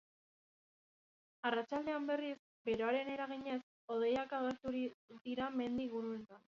Arratsaldean berriz, beroaren eraginez hodeiak agertuko dira mendi inguruetan.